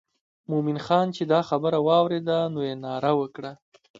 مومن خان چې دا خبره واورېده نو یې ناره وکړه.